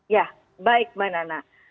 ya baik mbak nana